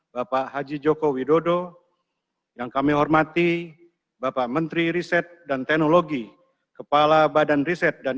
bapak haji joko widodo yang kami hormati bapak menteri riset dan teknologi kepala badan riset dan